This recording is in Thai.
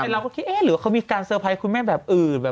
เราก็คิดเอ๊ะหรือว่าเขามีการเซอร์ไพรส์คุณแม่แบบอื่น